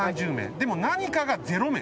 でも何かが０名。